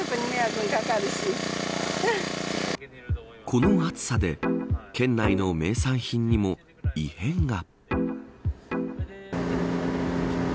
この暑さで県内の名産品にも異変が。